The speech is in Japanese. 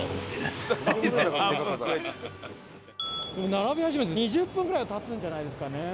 並び始めて２０分ぐらいは経つんじゃないですかね。